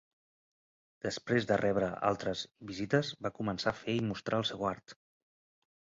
Després de rebre altres visites, va començar a fer i mostrar el seu art.